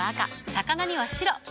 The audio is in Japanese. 魚には白。